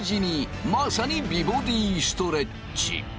まさに美ボディストレッチ。